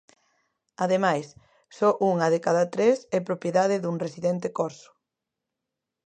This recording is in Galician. Ademais, só unha de cada tres é propiedade dun residente corso.